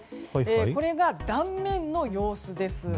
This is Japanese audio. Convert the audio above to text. これが断面の様子です。